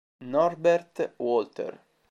Norbert Walter